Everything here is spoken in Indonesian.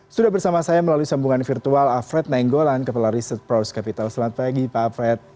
sudah bersama saya melalui sambungan virtual alfred nainggolan kepala research pros capital selamat pagi pak alfred